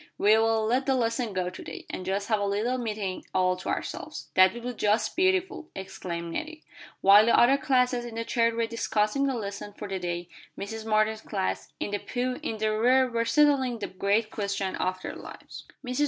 We will let the lesson go to day, and just have a little meeting all to ourselves." "That will be just beautiful!" exclaimed Nettie. While the other classes in the church were discussing the lesson for the day, Mrs. Martin's class in the pew in the rear were settling the great question of their lives. Mrs.